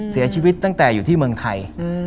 เสียชีวิตตั้งแต่อยู่ที่เมืองไทย